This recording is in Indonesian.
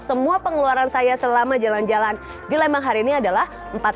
semua pengeluaran saya selama jalan jalan di lembang hari ini adalah empat puluh